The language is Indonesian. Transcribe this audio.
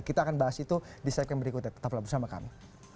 kita akan bahas itu di segmen berikutnya tetaplah bersama kami